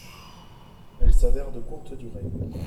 Elle s'avère de courte durée.